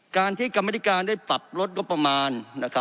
การที่กรรมนิการได้ปรับลดงบประมาณ